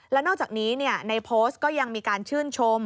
แล้วนอกจากนี้ในโพสต์ก็ยังมีการชื่นชม